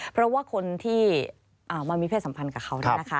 เพราะว่าคนที่มามีเพศสัมพันธ์กับเขา